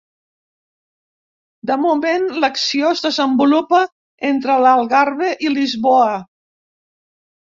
De moment l'acció es desenvolupa entre l'Algarve i Lisboa.